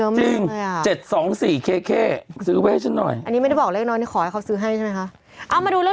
มีคนซื้อตัดหน้าแม่